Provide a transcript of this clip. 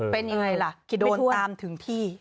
เป็นยังไงล่ะโดนตามถึงที่